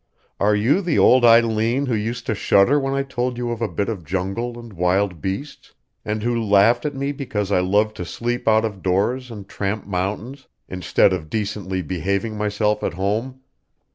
Are you the old Eileen who used to shudder when I told you of a bit of jungle and wild beasts, and who laughed at me because I loved to sleep out of doors and tramp mountains, instead of decently behaving myself at home?